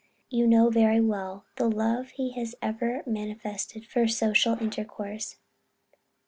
You know very well the love he has ever manifested for social intercourse.